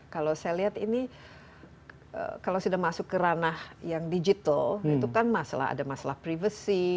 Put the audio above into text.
kalau saya lihat ini kalau sudah masuk ke ranah yang digital itu kan masalah ada masalah privasi